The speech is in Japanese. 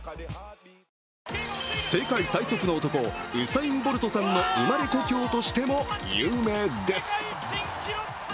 世界最速の男、ウサイン・ボルトさんの生まれ故郷としても有名です。